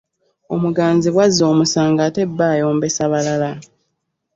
Omuganzi bw'azza omusango ate bba ayombesa balala.